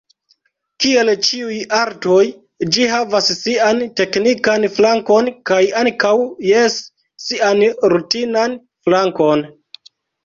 Kiel ĉiuj artoj, ĝi havas sian teknikan flankon, kaj ankaŭ, jes, sian rutinan flankon.